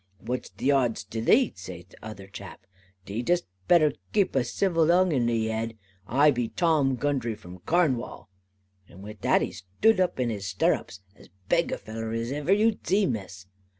'What's the odds to thee,' zays tother chap, 'thee d'st better kape a zivil tongue in thee head. I be Tom Gundry from Carnwall.' And with that he stood up in his starrups, as beg a feller as iver you zee, Miss.